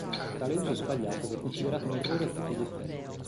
Tale uso è sbagliato ed è considerato un errore a tutti gli effetti.